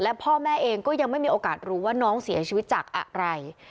พ่อแม่เองก็ยังไม่มีโอกาสรู้ว่าน้องเสียชีวิตจากอะไร